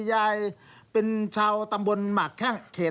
ยายเป็นชาวตำบลหมากแข้งเขต